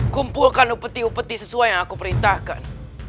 kumpulkan upeti upeti sesuai yang aku perintahkan